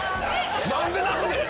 何で泣くねん！